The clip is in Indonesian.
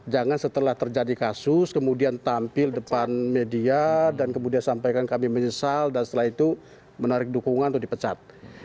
jangan setelah terjadi kasus kemudian tampil depan media dan kemudian sampaikan kami menyesal dan setelah itu menarik dukungan atau dipecat